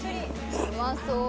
うまそう。